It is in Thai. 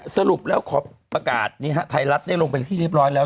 สรุปแล้วขอประกาศไทยรัฐได้ลงไปที่เรียบร้อยแล้ว